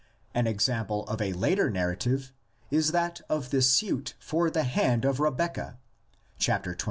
An example of a later narrative is that of the suit for the hand of Rebeccah (chap, xxiv.)